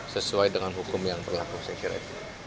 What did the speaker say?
sesuai dengan hukum yang berlaku saya kira itu